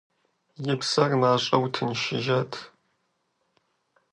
И псэр мащӀэу тыншыжат…